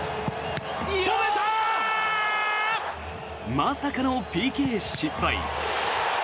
まさかのＰＫ失敗。